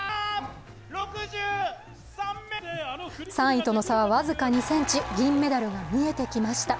３位との差は僅か２ｃｍ、銀メダルが見えてきました。